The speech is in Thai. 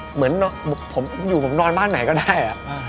เหมือนผมอยู่ผมนอนบ้านไหนก็ได้